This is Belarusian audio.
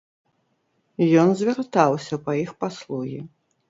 Ён звяртаўся па іх паслугі.